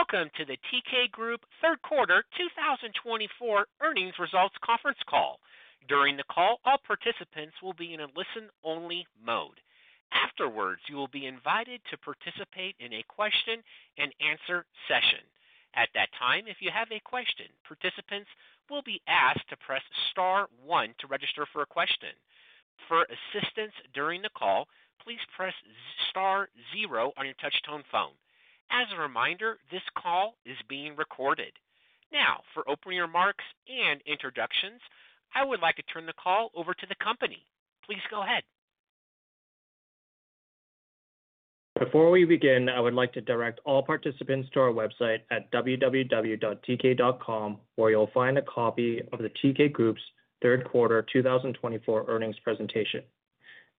Welcome to the Teekay Group Third Quarter 2024 Earnings Results Conference Call. During the call, all participants will be in a listen-only mode. Afterwards, you will be invited to participate in a question-and-answer session. At that time, if you have a question, participants will be asked to press star one to register for a question. For assistance during the call, please press star zero on your touch-tone phone. As a reminder, this call is being recorded. Now, for opening remarks and introductions, I would like to turn the call over to the company. Please go ahead. Before we begin, I would like to direct all participants to our website at www.teekay.com, where you'll find a copy of the Teekay Group's Third Quarter 2024 Earnings Presentation.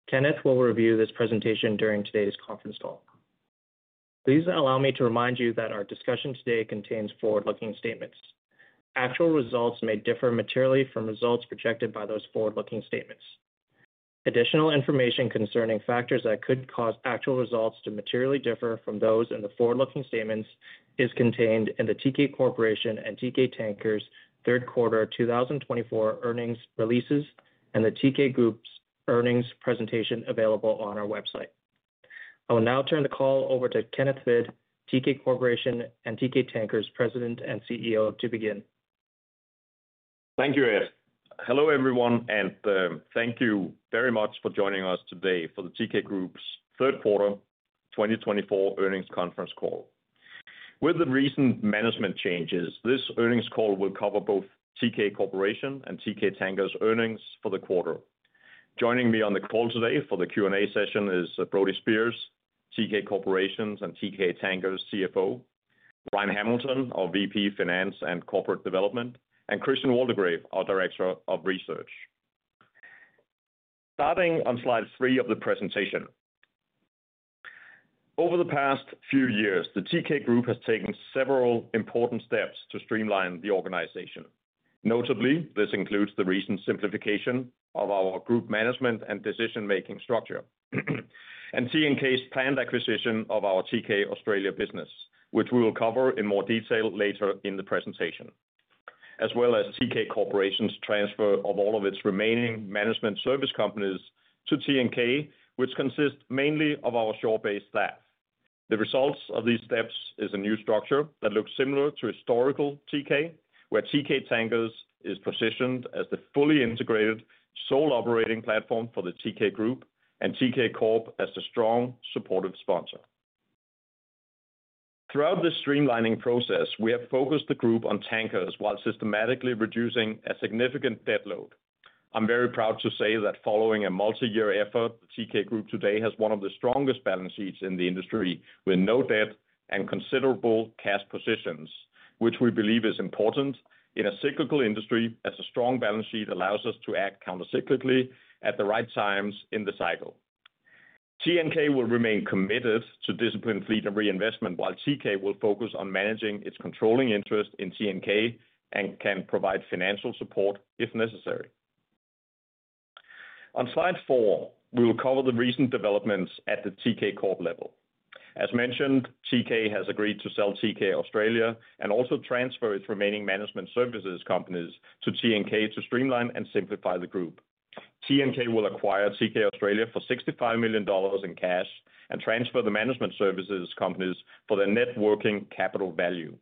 Kenneth will review this presentation during today's conference call. Please allow me to remind you that our discussion today contains forward-looking statements. Actual results may differ materially from results projected by those forward-looking statements. Additional information concerning factors that could cause actual results to materially differ from those in the forward-looking statements is contained in the Teekay Corporation and Teekay Tankers Third Quarter 2024 Earnings Releases and the Teekay Group's Earnings Presentation available on our website. I will now turn the call over to Kenneth Hvid, Teekay Corporation and Teekay Tankers President and CEO, to begin. Thank you, Ed. Hello, everyone, and thank you very much for joining us today for the Teekay Group's Third Quarter 2024 Earnings Conference Call. With the recent management changes, this earnings call will cover both Teekay Corporation and Teekay Tankers' earnings for the quarter. Joining me on the call today for the Q&A session is Brody Speers, Teekay Corporation's and Teekay Tankers' CFO, Ryan Hamilton, our VP Finance and Corporate Development, and Christian Waldegrave, our Director of Research. Starting on slide three of the presentation, over the past few years, the Teekay Group has taken several important steps to streamline the organization. Notably, this includes the recent simplification of our group management and decision-making structure and TNK's planned acquisition of our Teekay Australia business, which we will cover in more detail later in the presentation, as well as Teekay Corporation's transfer of all of its remaining management service companies to TNK, which consists mainly of our shore-based staff. The result of these steps is a new structure that looks similar to historical Teekay, where Teekay Tankers is positioned as the fully integrated sole operating platform for the Teekay Group and Teekay Corp as the strong supportive sponsor. Throughout this streamlining process, we have focused the group on tankers while systematically reducing a significant debt load. I'm very proud to say that following a multi-year effort, the Teekay Group today has one of the strongest balance sheets in the industry, with no debt and considerable cash positions, which we believe is important in a cyclical industry, as a strong balance sheet allows us to act countercyclically at the right times in the cycle. TNK will remain committed to disciplined fleet and reinvestment, while Teekay will focus on managing its controlling interest in TNK and can provide financial support if necessary. On slide four, we will cover the recent developments at the Teekay Corp level. As mentioned, Teekay has agreed to sell Teekay Australia and also transfer its remaining management services companies to TNK to streamline and simplify the group. TNK will acquire Teekay Australia for $65 million in cash and transfer the management services companies for their net working capital value.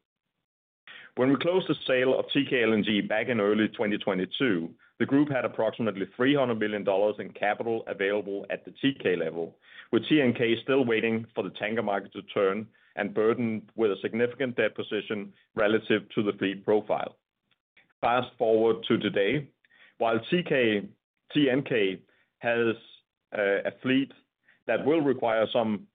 When we closed the sale of Teekay LNG back in early 2022, the group had approximately $300 million in capital available at the Teekay level, with TNK still waiting for the tanker market to turn and burdened with a significant debt position relative to the fleet profile. Fast forward to today, while TNK has a fleet that will require some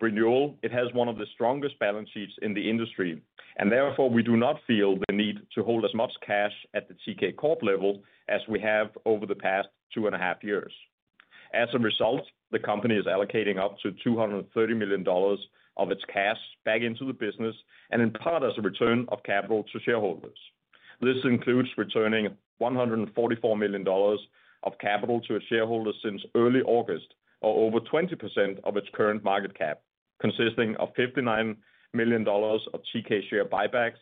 renewal, it has one of the strongest balance sheets in the industry, and therefore we do not feel the need to hold as much cash at the Teekay Corp level as we have over the past two and a half years. As a result, the company is allocating up to $230 million of its cash back into the business and in part as a return of capital to shareholders. This includes returning $144 million of capital to its shareholders since early August, or over 20% of its current market cap, consisting of $59 million of Teekay share buybacks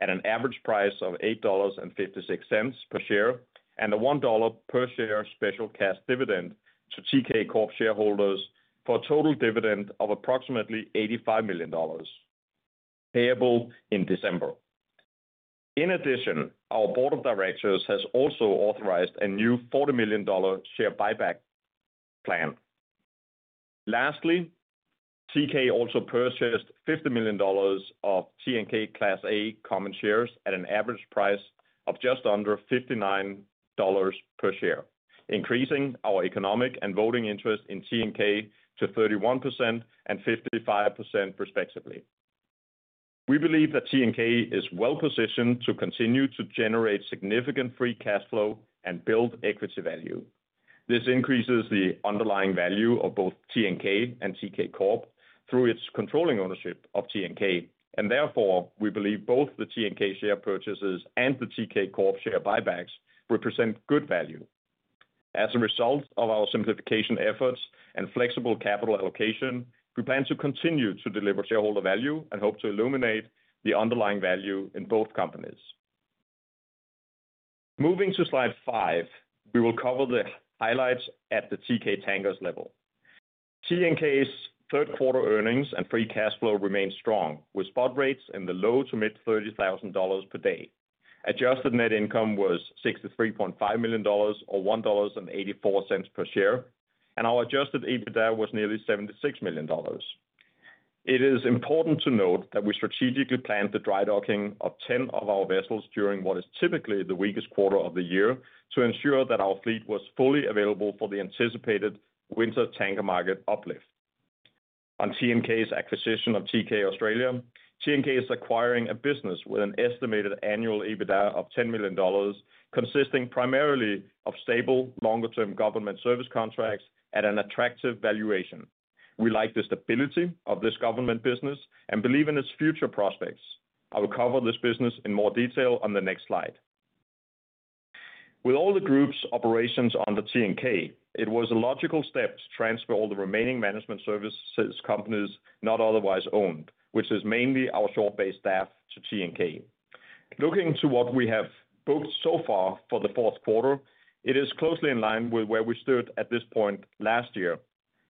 at an average price of $8.56 per share and a $1 per share special cash dividend to Teekay Corp shareholders for a total dividend of approximately $85 million payable in December. In addition, our Board of Directors has also authorized a new $40 million share buyback plan. Lastly, Teekay also purchased $50 million of TNK Class A common shares at an average price of just under $59 per share, increasing our economic and voting interest in TNK to 31% and 55%, respectively. We believe that TNK is well positioned to continue to generate significant free cash flow and build equity value. This increases the underlying value of both TNK and Teekay Corp through its controlling ownership of TNK, and therefore we believe both the TNK share purchases and the Teekay Corp share buybacks represent good value. As a result of our simplification efforts and flexible capital allocation, we plan to continue to deliver shareholder value and hope to illuminate the underlying value in both companies. Moving to slide five, we will cover the highlights at the Teekay Tankers level. TNK's third quarter earnings and free cash flow remained strong, with spot rates in the low to mid $30,000 per day. Adjusted net income was $63.5 million, or $1.84 per share, and our adjusted EBITDA was nearly $76 million. It is important to note that we strategically planned the dry docking of 10 of our vessels during what is typically the weakest quarter of the year to ensure that our fleet was fully available for the anticipated winter tanker market uplift. On TNK's acquisition of Teekay Australia, TNK is acquiring a business with an estimated annual EBITDA of $10 million, consisting primarily of stable, longer-term government service contracts at an attractive valuation. We like the stability of this government business and believe in its future prospects. I will cover this business in more detail on the next slide. With all the group's operations under TNK, it was a logical step to transfer all the remaining management services companies not otherwise owned, which is mainly our shore-based staff, to TNK. Looking to what we have booked so far for the fourth quarter, it is closely in line with where we stood at this point last year,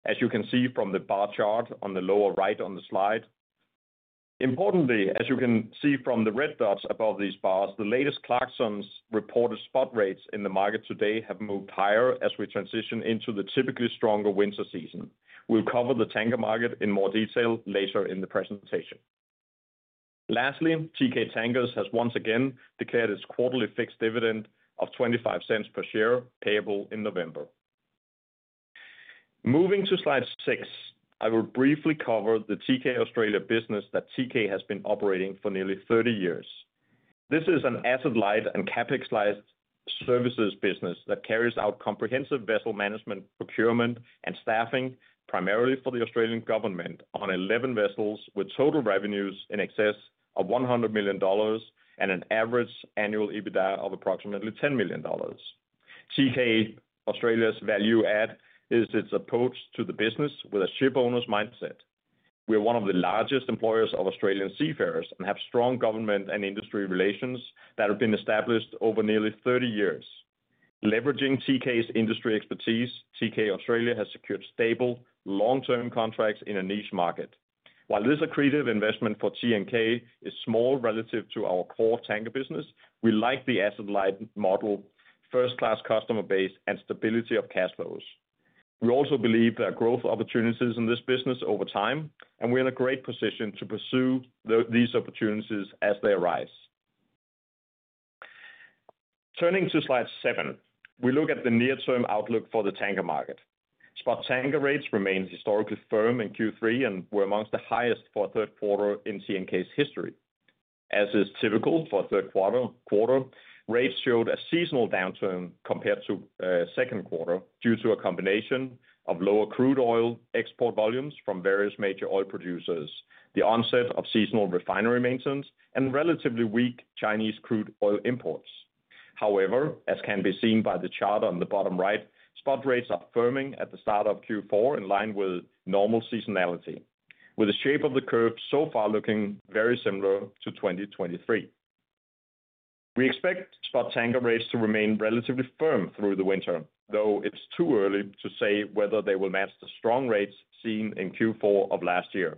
as you can see from the bar chart on the lower right on the slide. Importantly, as you can see from the red dots above these bars, the latest Clarksons reported spot rates in the market today have moved higher as we transition into the typically stronger winter season. We'll cover the tanker market in more detail later in the presentation. Lastly, Teekay Tankers has once again declared its quarterly fixed dividend of $0.25 per share payable in November. Moving to slide six, I will briefly cover the Teekay Australia business that Teekay has been operating for nearly 30 years. This is an asset-light and capex-light services business that carries out comprehensive vessel management, procurement, and staffing primarily for the Australian government on 11 vessels with total revenues in excess of $100 million and an average annual EBITDA of approximately $10 million. Teekay Australia's value-add is its approach to the business with a shipowner's mindset. We are one of the largest employers of Australian seafarers and have strong government and industry relations that have been established over nearly 30 years. Leveraging Teekay's industry expertise, Teekay Australia has secured stable, long-term contracts in a niche market. While this accretive investment for TNK is small relative to our core tanker business, we like the asset-light model, first-class customer base, and stability of cash flows. We also believe there are growth opportunities in this business over time, and we're in a great position to pursue these opportunities as they arise. Turning to slide seven, we look at the near-term outlook for the tanker market. Spot tanker rates remained historically firm in Q3 and were among the highest for a third quarter in TNK's history. As is typical for a third quarter, rates showed a seasonal downturn compared to the second quarter due to a combination of lower crude oil export volumes from various major oil producers, the onset of seasonal refinery maintenance, and relatively weak Chinese crude oil imports. However, as can be seen by the chart on the bottom right, spot rates are firming at the start of Q4 in line with normal seasonality, with the shape of the curve so far looking very similar to 2023. We expect spot tanker rates to remain relatively firm through the winter, though it's too early to say whether they will match the strong rates seen in Q4 of last year.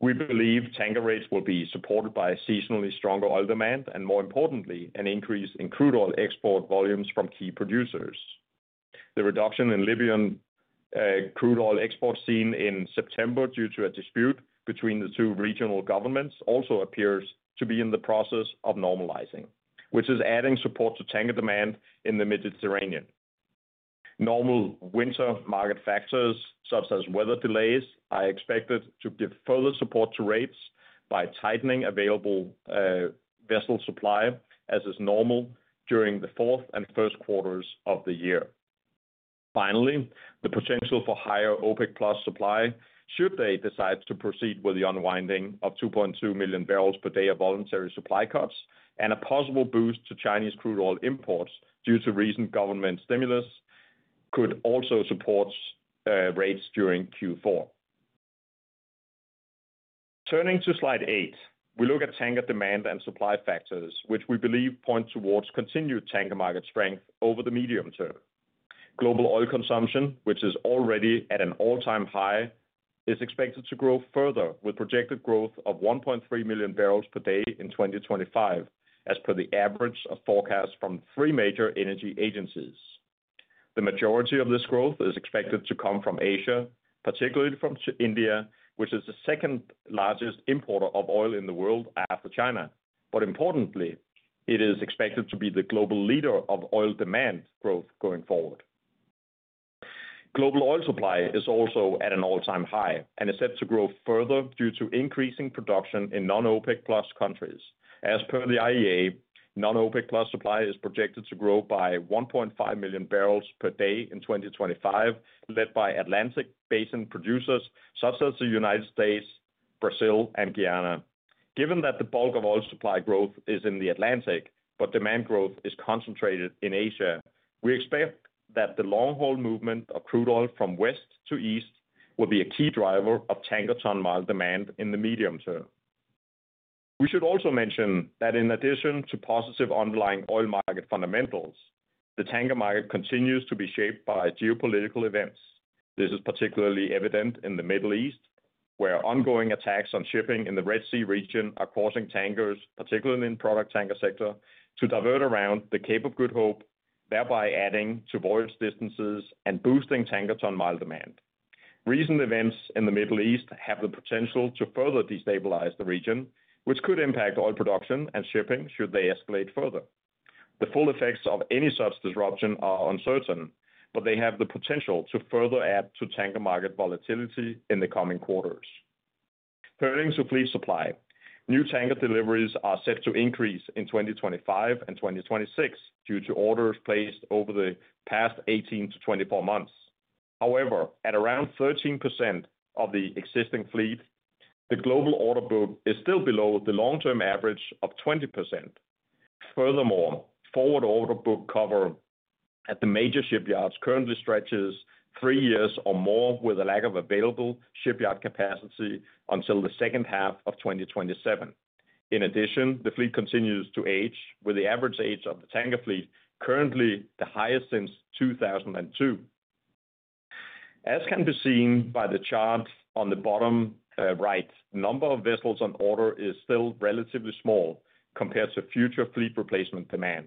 We believe tanker rates will be supported by seasonally stronger oil demand and, more importantly, an increase in crude oil export volumes from key producers. The reduction in Libyan crude oil exports seen in September due to a dispute between the two regional governments also appears to be in the process of normalizing, which is adding support to tanker demand in the Mediterranean. Normal winter market factors such as weather delays are expected to give further support to rates by tightening available vessel supply, as is normal during the fourth and first quarters of the year. Finally, the potential for higher OPEC+ supply should they decide to proceed with the unwinding of 2.2 million barrels per day of voluntary supply cuts and a possible boost to Chinese crude oil imports due to recent government stimulus could also support rates during Q4. Turning to slide eight, we look at tanker demand and supply factors, which we believe point towards continued tanker market strength over the medium term. Global oil consumption, which is already at an all-time high, is expected to grow further with projected growth of 1.3 million barrels per day in 2025, as per the average forecast from three major energy agencies. The majority of this growth is expected to come from Asia, particularly from India, which is the second largest importer of oil in the world after China. But importantly, it is expected to be the global leader of oil demand growth going forward. Global oil supply is also at an all-time high and is set to grow further due to increasing production in non-OPEC+ countries. As per the IEA, non-OPEC+ supply is projected to grow by 1.5 million barrels per day in 2025, led by Atlantic Basin producers such as the United States, Brazil, and Guyana. Given that the bulk of oil supply growth is in the Atlantic, but demand growth is concentrated in Asia, we expect that the long-haul movement of crude oil from west to east will be a key driver of tanker ton-mile demand in the medium term. We should also mention that in addition to positive underlying oil market fundamentals, the tanker market continues to be shaped by geopolitical events. This is particularly evident in the Middle East, where ongoing attacks on shipping in the Red Sea region are causing tankers, particularly in the product tanker sector, to divert around the Cape of Good Hope, thereby adding to voyage distances and boosting tanker ton-mile demand. Recent events in the Middle East have the potential to further destabilize the region, which could impact oil production and shipping should they escalate further. The full effects of any such disruption are uncertain, but they have the potential to further add to tanker market volatility in the coming quarters. Turning to fleet supply, new tanker deliveries are set to increase in 2025 and 2026 due to orders placed over the past 18-24 months. However, at around 13% of the existing fleet, the global order book is still below the long-term average of 20%. Furthermore, forward order book cover at the major shipyards currently stretches three years or more with a lack of available shipyard capacity until the second half of 2027. In addition, the fleet continues to age, with the average age of the tanker fleet currently the highest since 2002. As can be seen by the chart on the bottom right, the number of vessels on order is still relatively small compared to future fleet replacement demand.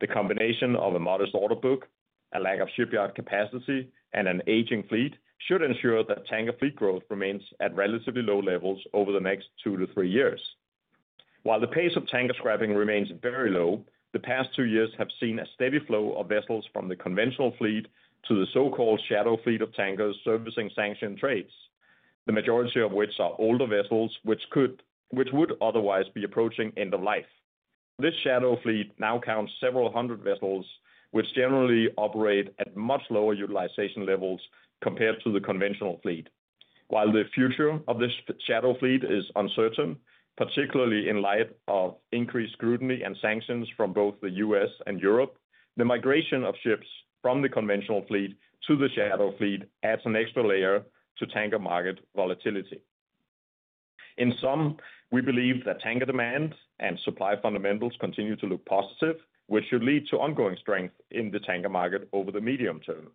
The combination of a modest order book, a lack of shipyard capacity, and an aging fleet should ensure that tanker fleet growth remains at relatively low levels over the next two to three years. While the pace of tanker scrapping remains very low, the past two years have seen a steady flow of vessels from the conventional fleet to the so-called shadow fleet of tankers servicing sanctioned trades, the majority of which are older vessels which would otherwise be approaching end of life. This shadow fleet now counts several hundred vessels, which generally operate at much lower utilization levels compared to the conventional fleet. While the future of this shadow fleet is uncertain, particularly in light of increased scrutiny and sanctions from both the U.S. and Europe, the migration of ships from the conventional fleet to the shadow fleet adds an extra layer to tanker market volatility. In sum, we believe that tanker demand and supply fundamentals continue to look positive, which should lead to ongoing strength in the tanker market over the medium term.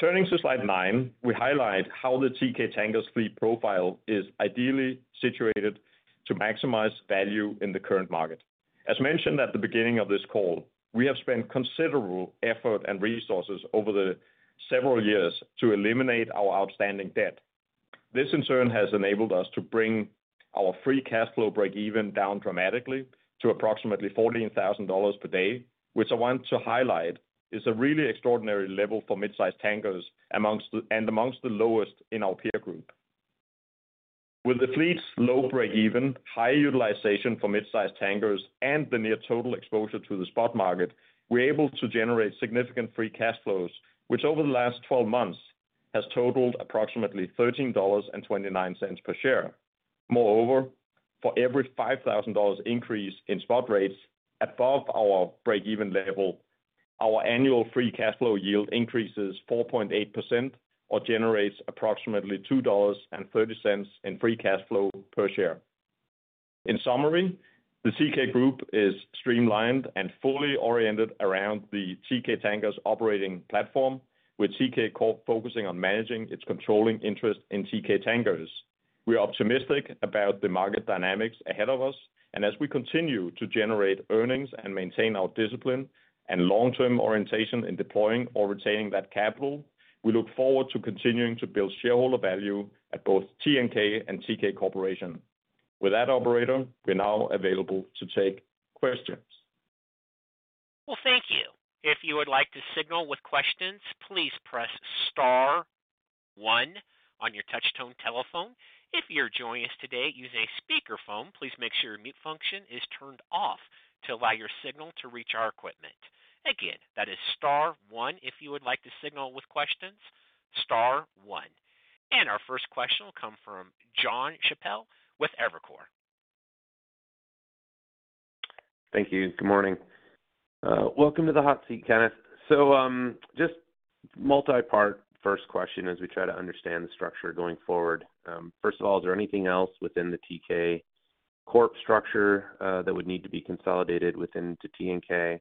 Turning to slide nine, we highlight how the Teekay Tankers fleet profile is ideally situated to maximize value in the current market. As mentioned at the beginning of this call, we have spent considerable effort and resources over the several years to eliminate our outstanding debt. This, in turn, has enabled us to bring our free cash flow break-even down dramatically to approximately $14,000 per day, which I want to highlight is a really extraordinary level for mid-sized tankers and among the lowest in our peer group. With the fleet's low break-even, high utilization for mid-sized tankers, and the near total exposure to the spot market, we're able to generate significant free cash flows, which over the last 12 months has totaled approximately $13.29 per share. Moreover, for every $5,000 increase in spot rates above our break-even level, our annual free cash flow yield increases 4.8% or generates approximately $2.30 in free cash flow per share. In summary, the Teekay Group is streamlined and fully oriented around the Teekay Tankers operating platform, with Teekay focusing on managing its controlling interest in Teekay Tankers. We are optimistic about the market dynamics ahead of us, and as we continue to generate earnings and maintain our discipline and long-term orientation in deploying or retaining that capital, we look forward to continuing to build shareholder value at both TNK and Teekay Corporation. With that, operator, we're now available to take questions. Thank you. If you would like to signal with questions, please press star one on your touch-tone telephone. If you're joining us today using a speakerphone, please make sure your mute function is turned off to allow your signal to reach our equipment. Again, that is star one if you would like to signal with questions. star one. And our first question will come from John Chappell with Evercore. Thank you. Good morning. Welcome to the hot seat, Kenneth. So just multi-part first question as we try to understand the structure going forward. First of all, is there anything else within the Teekay Corp structure that would need to be consolidated within to TNK?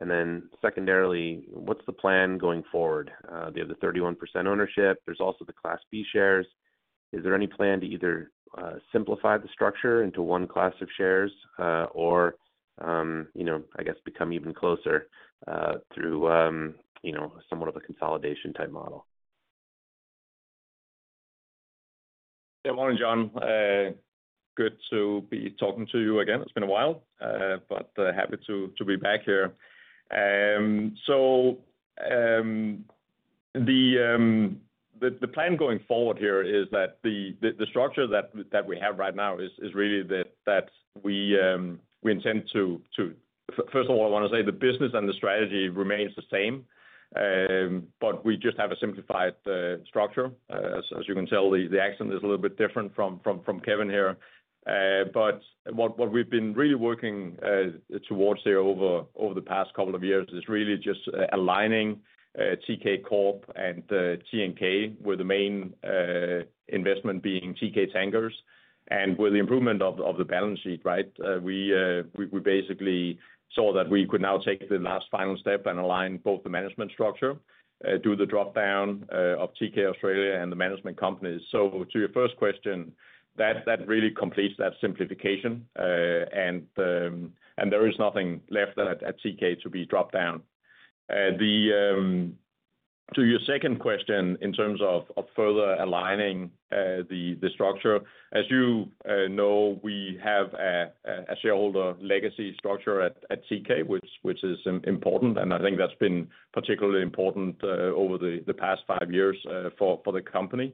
And then secondarily, what's the plan going forward? They have the 31% ownership. There's also the Class B shares. Is there any plan to either simplify the structure into one class of shares or, I guess, become even closer through somewhat of a consolidation type model? Good morning, John. Good to be talking to you again. It's been a while, but happy to be back here. So the plan going forward here is that the structure that we have right now is really that we intend to, first of all, I want to say the business and the strategy remains the same, but we just have a simplified structure. As you can tell, the accent is a little bit different from Kevin here. But what we've been really working towards here over the past couple of years is really just aligning Teekay Corp and TNK, with the main investment being Teekay Tankers. And with the improvement of the balance sheet, right, we basically saw that we could now take the last final step and align both the management structure, do the dropdown of Teekay Australia and the management companies. So to your first question, that really completes that simplification, and there is nothing left at Teekay to be dropped down. To your second question in terms of further aligning the structure, as you know, we have a shareholder legacy structure at Teekay, which is important, and I think that's been particularly important over the past five years for the company.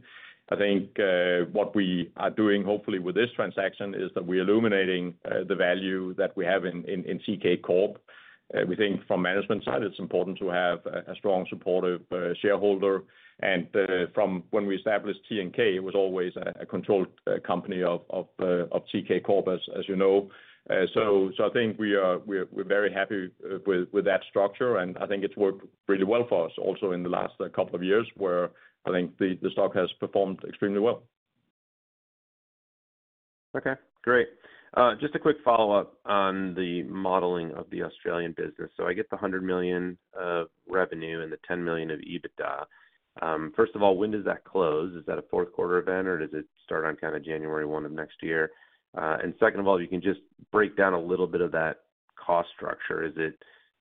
I think what we are doing, hopefully, with this transaction is that we are illuminating the value that we have in Teekay Corp. We think from management side, it's important to have a strong supportive shareholder. And from when we established TNK, it was always a controlled company of Teekay Corp, as you know. So I think we're very happy with that structure, and I think it's worked really well for us also in the last couple of years where I think the stock has performed extremely well. Okay. Great. Just a quick follow-up on the modeling of the Australian business. So I get the $100 million of revenue and the $10 million of EBITDA. First of all, when does that close? Is that a fourth quarter event, or does it start on kind of January 1 of next year? And second of all, if you can just break down a little bit of that cost structure.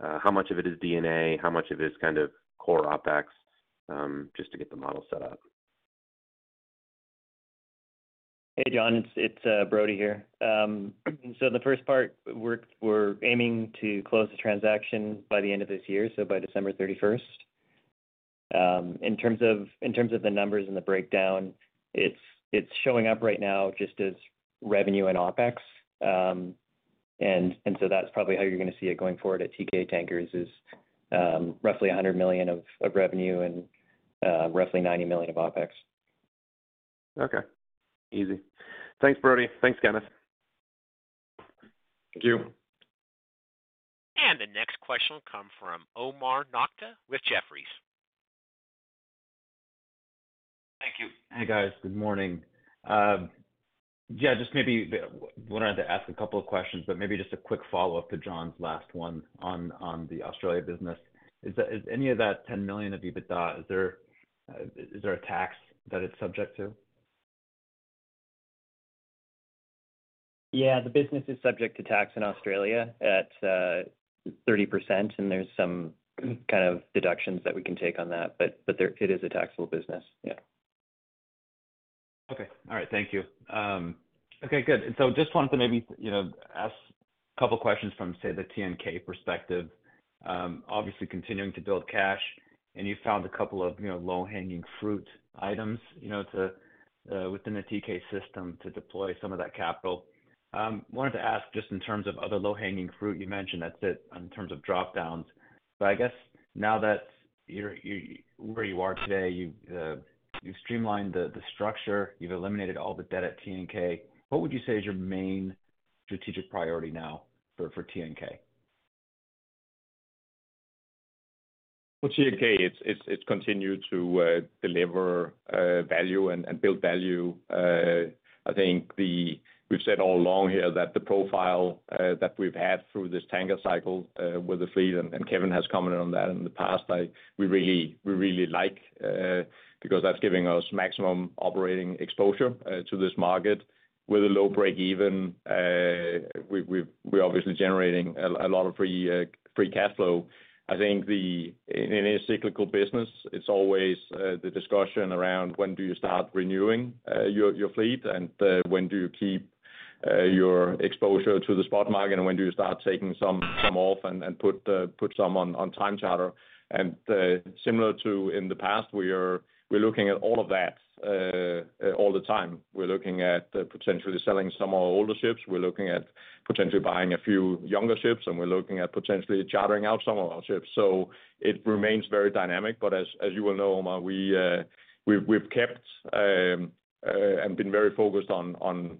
How much of it is D&A? How much of it is kind of core OpEx? Just to get the model set up. Hey, John. It's Brody here. So the first part, we're aiming to close the transaction by the end of this year, so by December 31st. In terms of the numbers and the breakdown, it's showing up right now just as revenue and OpEx. And so that's probably how you're going to see it going forward at Teekay Tankers is roughly $100 million of revenue and roughly $90 million of OpEx. Okay. Easy. Thanks, Brody. Thanks, Kenneth. Thank you. The next question will come from Omar Nokta with Jefferies. Thank you. Hey, guys. Good morning. Yeah, just maybe wanted to ask a couple of questions, but maybe just a quick follow-up to John's last one on the Australia business. Is any of that $10 million of EBITDA, is there a tax that it's subject to? Yeah. The business is subject to tax in Australia at 30%, and there's some kind of deductions that we can take on that, but it is a taxable business. Yeah. Okay. All right. Thank you. Okay. Good. And so just wanted to maybe ask a couple of questions from, say, the TNK perspective. Obviously, continuing to build cash, and you found a couple of low-hanging fruit items within the Teekay system to deploy some of that capital. Wanted to ask just in terms of other low-hanging fruit you mentioned that's it in terms of dropdowns. But I guess now that where you are today, you've streamlined the structure, you've eliminated all the debt at TNK. What would you say is your main strategic priority now for TNK? TNK, it's continued to deliver value and build value. I think we've said all along here that the profile that we've had through this tanker cycle with the fleet, and Kevin has commented on that in the past, we really like because that's giving us maximum operating exposure to this market with a low break-even. We're obviously generating a lot of free cash flow. I think in any cyclical business, it's always the discussion around when do you start renewing your fleet and when do you keep your exposure to the spot market and when do you start taking some off and put some on time charter, and similar to in the past, we're looking at all of that all the time. We're looking at potentially selling some of our older ships. We're looking at potentially buying a few younger ships, and we're looking at potentially chartering out some of our ships. So it remains very dynamic, but as you will know, Omar, we've kept and been very focused on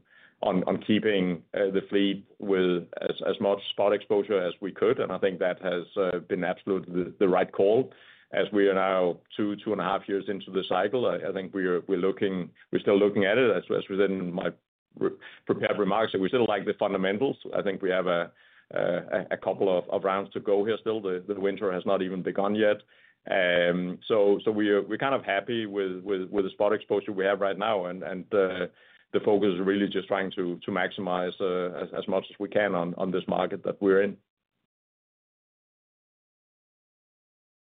keeping the fleet with as much spot exposure as we could. And I think that has been absolutely the right call. As we are now two, two and a half years into the cycle, I think we're still looking at it as within my prepared remarks. We still like the fundamentals. I think we have a couple of rounds to go here still. The winter has not even begun yet. So we're kind of happy with the spot exposure we have right now, and the focus is really just trying to maximize as much as we can on this market that we're in.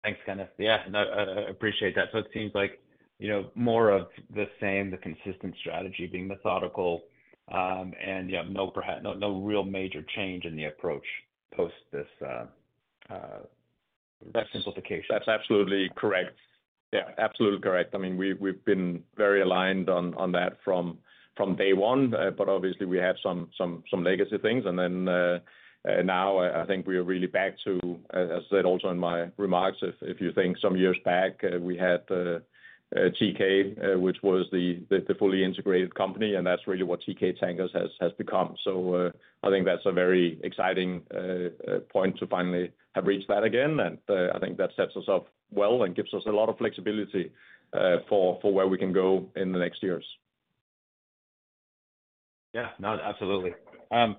Thanks, Kenneth. Yeah. No, I appreciate that. So it seems like more of the same, the consistent strategy being methodical, and no real major change in the approach post this simplification. That's absolutely correct. Yeah. Absolutely correct. I mean, we've been very aligned on that from day one, but obviously, we had some legacy things, and then now, I think we are really back to, as I said also in my remarks, if you think some years back, we had Teekay, which was the fully integrated company, and that's really what Teekay Tankers has become, so I think that's a very exciting point to finally have reached that again, and I think that sets us up well and gives us a lot of flexibility for where we can go in the next years. Yeah. No, absolutely. And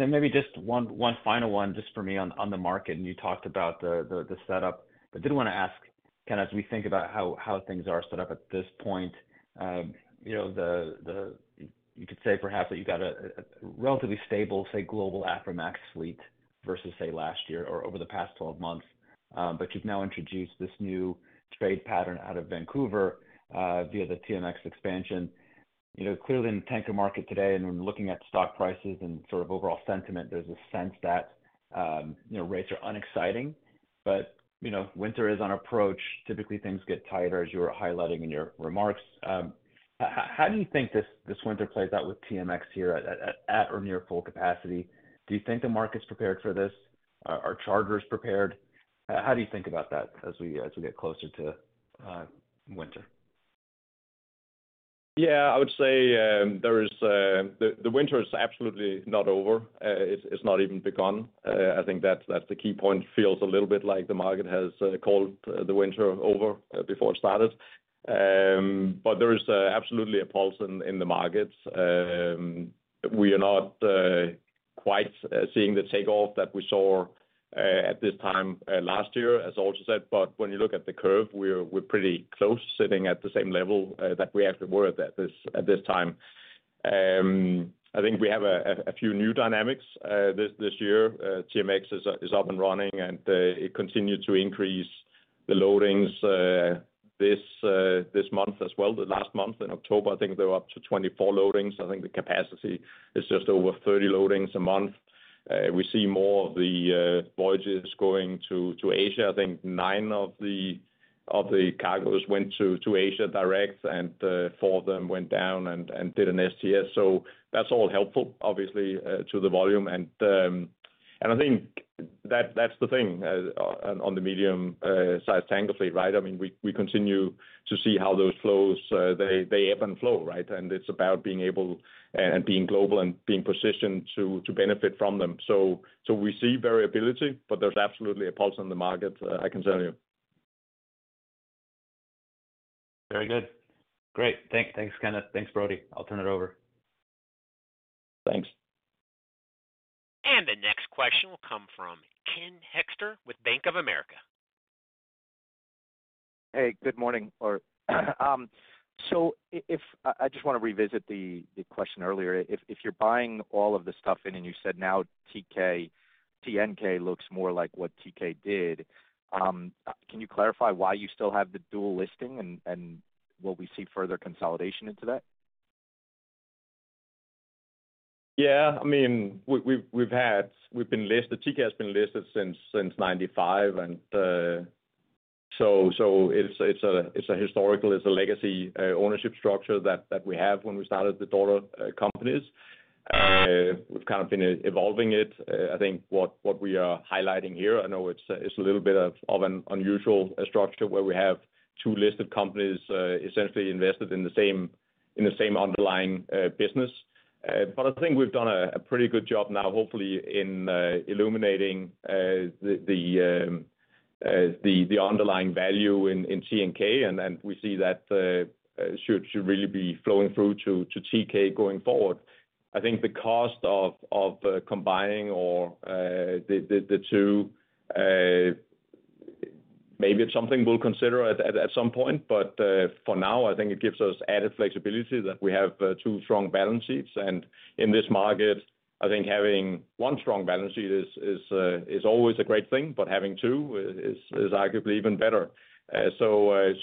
then maybe just one final one just for me on the market. And you talked about the setup, but did want to ask, Kenneth, as we think about how things are set up at this point, you could say perhaps that you've got a relatively stable, say, global Aframax fleet versus, say, last year or over the past 12 months, but you've now introduced this new trade pattern out of Vancouver via the TMX expansion. Clearly, in the tanker market today, and when looking at stock prices and sort of overall sentiment, there's a sense that rates are unexciting, but winter is on approach. Typically, things get tighter, as you were highlighting in your remarks. How do you think this winter plays out with TMX here at or near full capacity? Do you think the market's prepared for this? Are charterers prepared? How do you think about that as we get closer to winter? Yeah. I would say the winter is absolutely not over. It's not even begun. I think that's the key point. It feels a little bit like the market has called the winter over before it started. But there is absolutely a pulse in the markets. We are not quite seeing the takeoff that we saw at this time last year, as also said. But when you look at the curve, we're pretty close sitting at the same level that we actually were at this time. I think we have a few new dynamics this year. TMX is up and running, and it continued to increase the loadings this month as well. The last month in October, I think there were up to 24 loadings. I think the capacity is just over 30 loadings a month. We see more of the voyages going to Asia. I think nine of the cargoes went to Asia direct, and four of them went down and did an STS. So that's all helpful, obviously, to the volume. And I think that's the thing on the medium-sized tanker fleet, right? I mean, we continue to see how those flows. They ebb and flow, right? And it's about being able and being global and being positioned to benefit from them. So we see variability, but there's absolutely a pulse in the market, I can tell you. Very good. Great. Thanks, Kenneth. Thanks, Brody. I'll turn it over. Thanks. The next question will come from Ken Hoexter with Bank of America. Hey, good morning. So I just want to revisit the question earlier. If you're buying all of the stuff in, and you said now TNK looks more like what Teekay did, can you clarify why you still have the dual listing and will we see further consolidation into that? Yeah. I mean, we've been listed. Teekay has been listed since 1995. And so it's a historical, it's a legacy ownership structure that we have when we started the daughter companies. We've kind of been evolving it. I think what we are highlighting here, I know it's a little bit of an unusual structure where we have two listed companies essentially invested in the same underlying business. But I think we've done a pretty good job now, hopefully, in illuminating the underlying value in TNK, and we see that should really be flowing through to Teekay going forward. I think the cost of combining the two, maybe it's something we'll consider at some point, but for now, I think it gives us added flexibility that we have two strong balance sheets. And in this market, I think having one strong balance sheet is always a great thing, but having two is arguably even better. So as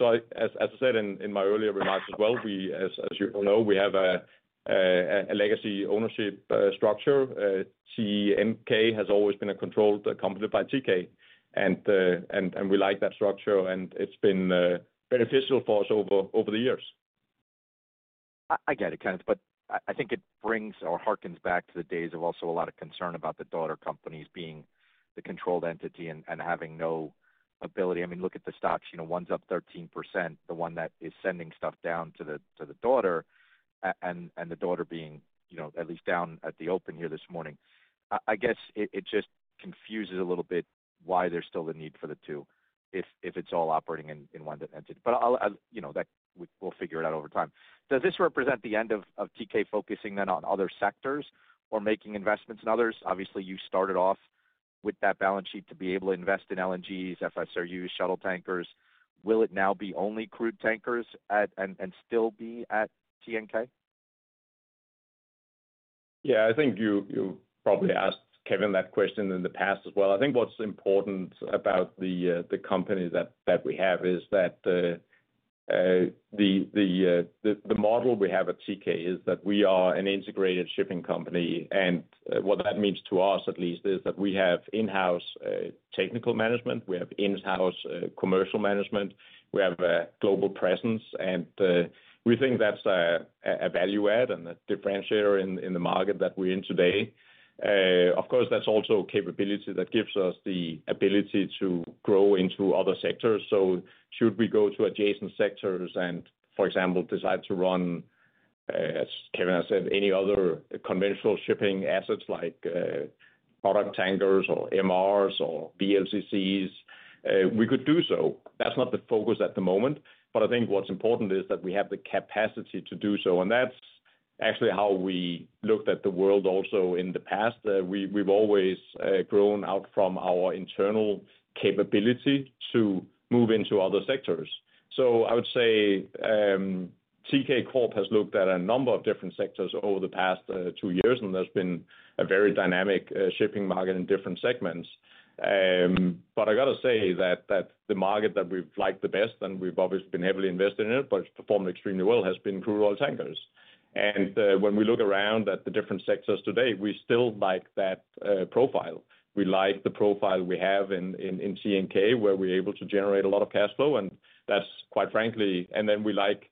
I said in my earlier remarks as well, as you all know, we have a legacy ownership structure. TNK has always been a controlled company by Teekay, and we like that structure, and it's been beneficial for us over the years. I get it, Kenneth, but I think it brings or hearkens back to the days of also a lot of concern about the daughter companies being the controlled entity and having no ability. I mean, look at the stocks. One's up 13%, the one that is sending stuff down to the daughter, and the daughter being at least down at the open here this morning. I guess it just confuses a little bit why there's still a need for the two if it's all operating in one entity. But we'll figure it out over time. Does this represent the end of Teekay focusing then on other sectors or making investments in others? Obviously, you started off with that balance sheet to be able to invest in LNGs, FSRUs, shuttle tankers. Will it now be only crude tankers and still be at TNK? Yeah. I think you probably asked Kevin that question in the past as well. I think what's important about the company that we have is that the model we have at Teekay is that we are an integrated shipping company. And what that means to us, at least, is that we have in-house technical management. We have in-house commercial management. We have a global presence, and we think that's a value add and a differentiator in the market that we're in today. Of course, that's also capability that gives us the ability to grow into other sectors. So should we go to adjacent sectors and, for example, decide to run, as Kevin has said, any other conventional shipping assets like product tankers or MRs or VLCCs, we could do so. That's not the focus at the moment, but I think what's important is that we have the capacity to do so. And that's actually how we looked at the world also in the past. We've always grown out from our internal capability to move into other sectors. So I would say Teekay Corp has looked at a number of different sectors over the past two years, and there's been a very dynamic shipping market in different segments. But I got to say that the market that we've liked the best, and we've obviously been heavily invested in it, but it's performed extremely well, has been crude oil tankers. And when we look around at the different sectors today, we still like that profile. We like the profile we have in TNK where we're able to generate a lot of cash flow, and that's quite frankly. Then we like,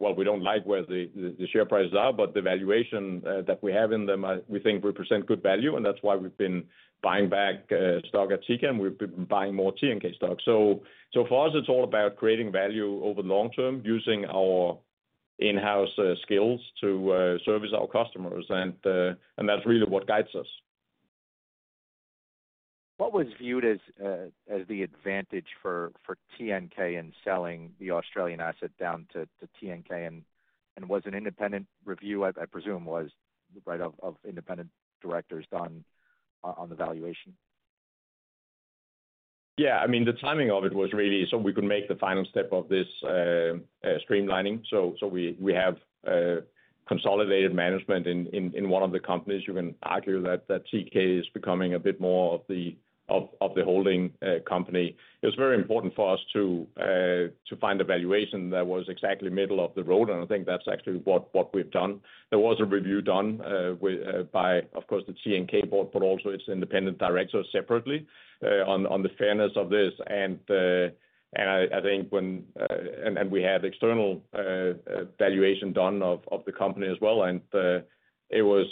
well, we don't like where the share prices are, but the valuation that we have in them, we think represent good value, and that's why we've been buying back stock at Teekay, and we've been buying more TNK stock. For us, it's all about creating value over the long term using our in-house skills to service our customers, and that's really what guides us. What was viewed as the advantage for TNK in selling the Australian asset down to TNK? And was an independent review, I presume, right, of independent directors done on the valuation? Yeah. I mean, the timing of it was really so we could make the final step of this streamlining, so we have consolidated management in one of the companies. You can argue that Teekay is becoming a bit more of the holding company. It was very important for us to find a valuation that was exactly middle of the road, and I think that's actually what we've done. There was a review done by, of course, the TNK board, but also its independent directors separately on the fairness of this, and I think when we had external valuation done of the company as well, and it was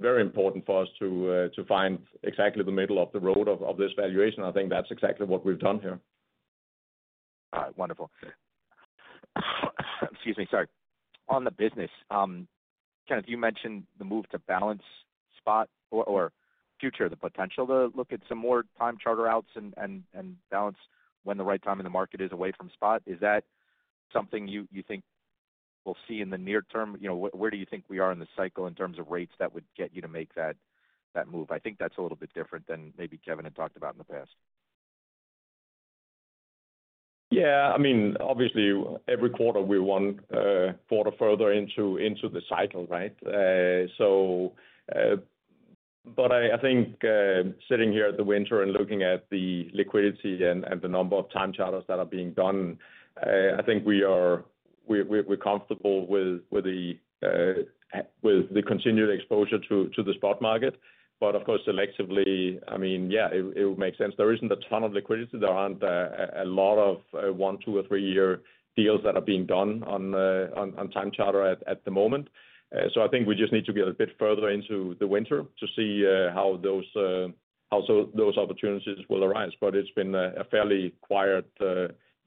very important for us to find exactly the middle of the road of this valuation. I think that's exactly what we've done here. All right. Wonderful. Excuse me. Sorry. On the business, Kenneth, you mentioned the move to balance spot or future, the potential to look at some more time charter outs and balance when the right time in the market is away from spot. Is that something you think we'll see in the near term? Where do you think we are in the cycle in terms of rates that would get you to make that move? I think that's a little bit different than maybe Kevin had talked about in the past. Yeah. I mean, obviously, every quarter, we want a quarter further into the cycle, right? But I think sitting here at the winter and looking at the liquidity and the number of time charters that are being done, I think we're comfortable with the continued exposure to the spot market. But of course, selectively, I mean, yeah, it would make sense. There isn't a ton of liquidity. There aren't a lot of one, two, or three-year deals that are being done on time charter at the moment. So I think we just need to get a bit further into the winter to see how those opportunities will arise. But it's been a fairly quiet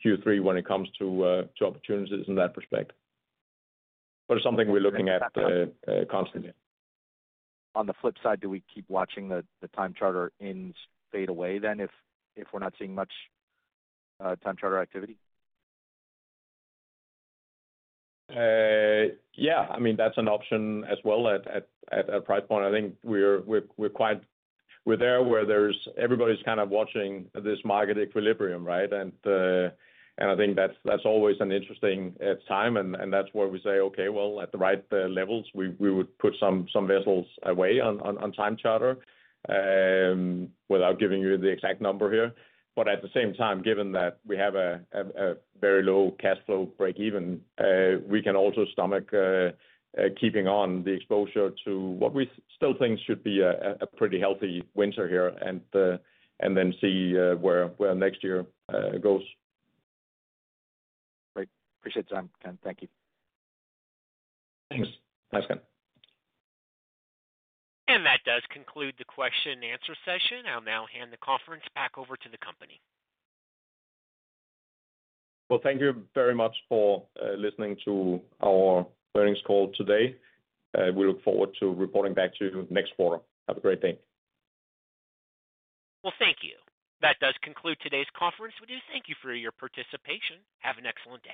Q3 when it comes to opportunities in that respect. But it's something we're looking at constantly. On the flip side, do we keep watching the time charter ins fade away then if we're not seeing much time charter activity? Yeah. I mean, that's an option as well at price point. I think we're there where everybody's kind of watching this market equilibrium, right? And I think that's always an interesting time. And that's where we say, "Okay, well, at the right levels, we would put some vessels away on time charter without giving you the exact number here." But at the same time, given that we have a very low cash flow break-even, we can also stomach keeping on the exposure to what we still think should be a pretty healthy winter here and then see where next year goes. Great. Appreciate the time, Ken. Thank you. Thanks. Thanks, Ken. And that does conclude the question-and-answer session. I'll now hand the conference back over to the company. Thank you very much for listening to our earnings call today. We look forward to reporting back to you next quarter. Have a great day. Well, thank you. That does conclude today's conference. We do thank you for your participation. Have an excellent day.